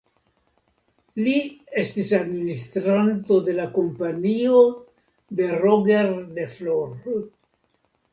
Li estis administranto de la Kompanio de Roger de Flor.